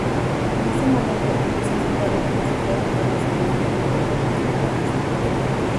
En ese momento empezó su carrera musical en varios salones de música como vocalista.